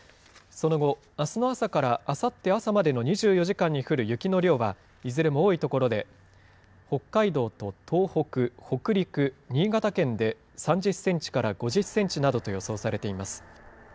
その後、あすの朝からあさって朝までの２４時間に降る雪の量は、いずれも多い所で、北海道と東北、北陸、新潟県で３０センチから５０センチなどと予想されています。